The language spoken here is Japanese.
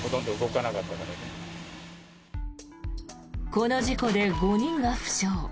この事故で５人が負傷。